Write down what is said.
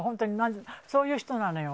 そういう人なのよ。